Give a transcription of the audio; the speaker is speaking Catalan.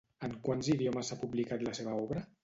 En quants idiomes s'ha publicat la seva obra?